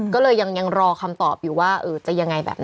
ก็เลยยังรอคำตอบอยู่ว่าจะยังไงแบบนี้